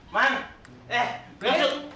man eh masuk